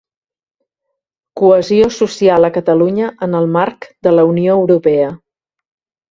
Cohesió social a Catalunya en el marc de la Unió Europea.